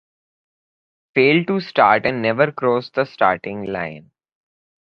Failed to start and never crossed the starting line.